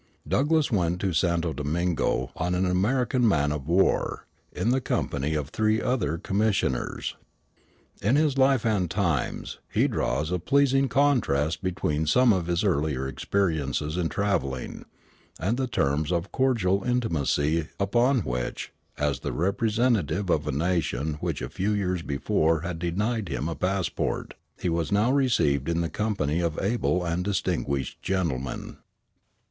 Douglass went to Santo Domingo on an American man of war, in the company of three other commissioners. In his Life and Times he draws a pleasing contrast between some of his earlier experiences in travelling, and the terms of cordial intimacy upon which, as the representative of a nation which a few years before had denied him a passport, he was now received in the company of able and distinguished gentlemen.